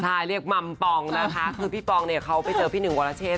ใช่เรียกมัมปองนะคะคือพี่ปองเนี่ยเขาไปเจอพี่หนึ่งวรเชษ